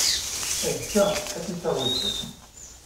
Azekka ad tt-issaɣ wedfel.